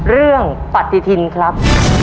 เรื่องปฏิทินครับ